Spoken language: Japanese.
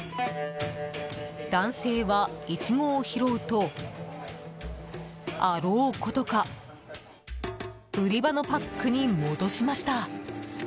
男性はイチゴを拾うとあろうことか売り場のパックに戻しました。